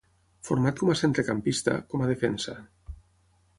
Format com a centrecampista, com a defensa.